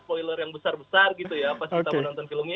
poiler yang besar besar gitu ya pas kita menonton filmnya